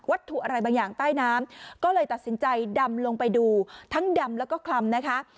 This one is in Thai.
ถูกอะไรบางอย่างใต้น้ำก็เลยตัดสินใจดำลงไปดูทั้งดำแล้วก็คลำนะคะ